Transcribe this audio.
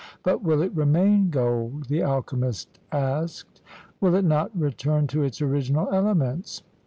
"But will it remain gold?" the alchemist asked. "Will it not return to its original elements?"